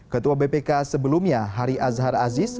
ketua bpk sebelumnya hari azhar aziz